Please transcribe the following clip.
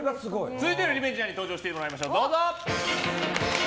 続いてのリベンジャーに登場していただきましょう。